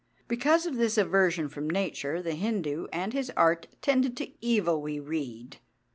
Because of this aversion from Nature the Hindu and his art tended to evil, we read.